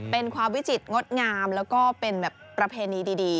เป็นความวิจิตรงดงามแล้วก็เป็นแบบประเพณีดี